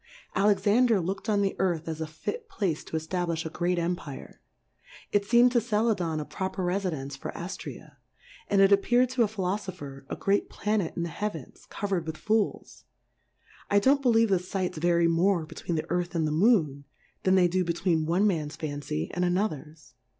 Akxander look'd on the Earth as a fit Place to e ftablifli a great Empire, it feem'd to Cf Udon a proper Refidence for AJiraay and it appeared to a Philofopher, a great Planet in the Heavens, covered with Fools : I don't believe the Sights vary more betv/een the Earth and the Moon, than they do between one Man's Fan cy and anothers. This. Plurality <?/^ WORLDS.